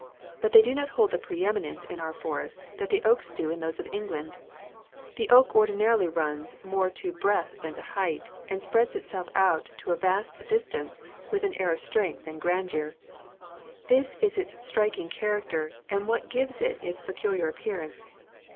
But they do not hold the pre eminence in our forests that the oaks do in those of England. The oak ordinarily runs more to breadth than to height, and spreads itself out to a vast distance with an air of strength and grandeur. This is its striking character and what gives it its peculiar appearance.